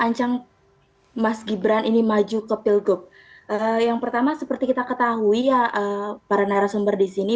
ancang mas gibran ini maju ke pilgub yang pertama seperti kita ketahui ya para narasumber di sini